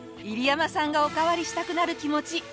入山さんがおかわりしたくなる気持ち